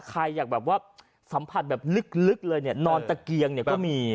ใครอยากแบบว่าสัมผัสแบบลึกเลยเนี่ยนอนตะเกียงเนี่ยก็มี